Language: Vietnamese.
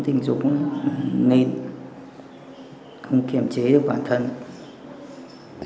tình dụng nên không kiểm chế được bản thân